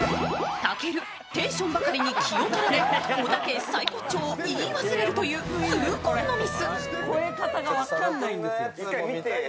たける、テンションばかりに気を取られ、おたけサイコッチョーを言い忘れるという痛恨のミス。